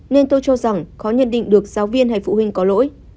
nên tôi cho rằng khó nhận định được giáo viên hay phụ huynh có lỗi